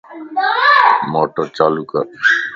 موٽر چالو ڪر